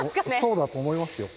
そうだと思いますよ。